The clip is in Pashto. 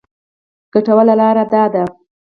ګټوره لاره ده.